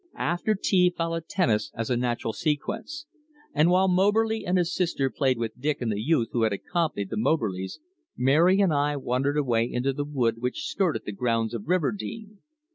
After tea followed tennis as a natural sequence, and while Moberly and his sister played with Dick and the youth who had accompanied the Moberlys, Mary and I wandered away into the wood which skirted the grounds of Riverdene.